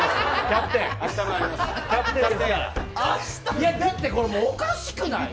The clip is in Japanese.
だってこれ、おかしくない。